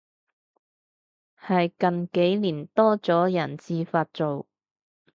係近幾年多咗人自發做